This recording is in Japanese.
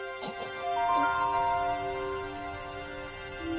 あっ。